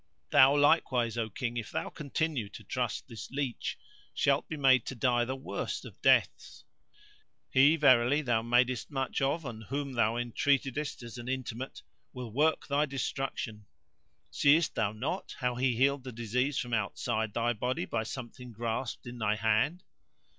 Thou likewise, O King, if thou continue to trust this leach, shalt be made to die the worst of deaths. He verily thou madest much of and whom thou entreatedest as an intimate, will work thy destruction. Seest thou not how he healed the disease from outside thy body by something grasped in thy hand?